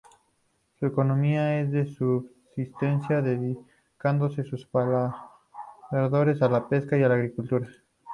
Su economía es de subsistencia, dedicándose sus pobladores a la pesca y la agricultura.